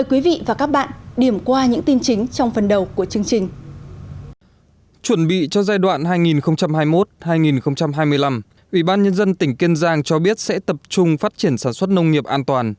ủy ban nhân dân tỉnh kiên giang cho biết sẽ tập trung phát triển sản xuất nông nghiệp an toàn